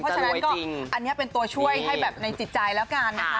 เพราะฉะนั้นก็อันนี้เป็นตัวช่วยให้แบบในจิตใจแล้วกันนะคะ